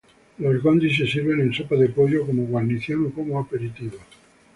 Los gondi se sirven en sopa de pollo, como guarnición o como aperitivo.